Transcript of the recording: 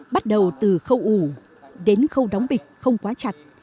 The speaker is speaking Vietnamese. bắt đầu từ khâu ủ đến khâu đóng bịch không quá chặt